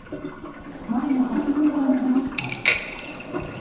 前がかすむほどの激しさです。